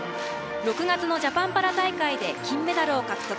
６月のジャパンパラ大会で金メダルを獲得。